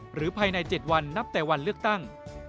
ภายใน๗วันนับแต่วันเลือกตั้ง